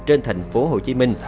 trên thành phố hồ chí minh